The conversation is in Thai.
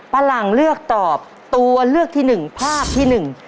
หลังเลือกตอบตัวเลือกที่หนึ่งภาพที่หนึ่ง